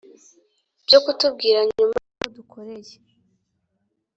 byo kutubwira nyuma y'aho dukoreye